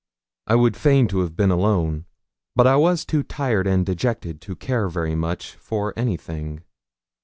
I would fain have been alone, but I was too tired and dejected to care very much for anything.